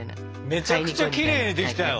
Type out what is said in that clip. めちゃくちゃきれいにできたよ。